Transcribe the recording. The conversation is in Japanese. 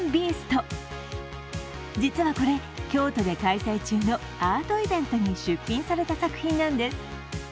実はこれ、京都で開催中のアートイベントに出品された作品なんです。